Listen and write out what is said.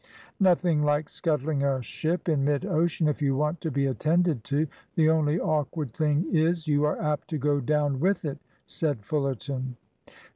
"Nothing like scuttling a ship in mid ocean if you want to be attended to. The only awkward thing is, you are apt to go down with it," said Fullerton.